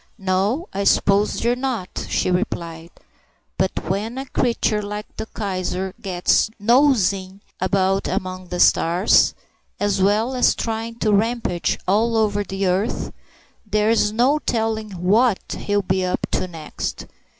"No, I suppose they're not," she replied, "but when a creature like that Kaiser gets nosing about among the stars, as well as trying to rampage all over the earth, there's no telling what he'll be up to next.